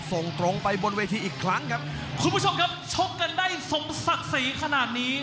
ส่งตรงไปบนเวทีอีกครั้งครับคุณผู้ชมครับชกกันได้สมศักดิ์ศรีขนาดนี้